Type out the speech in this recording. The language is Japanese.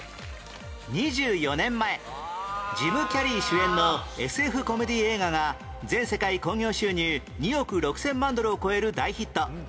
２４年前ジム・キャリー主演の ＳＦ コメディー映画が全世界興行収入２億６０００万ドルを超える大ヒット